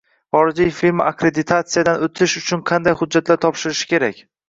Xorijiy firma akkreditatsiyadan o’tish uchun qanday hujjatlar topshirishi kerak?